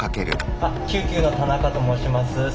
救急の田中と申します。